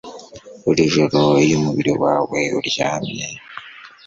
Buri joro iyo umubiri wawe uryamye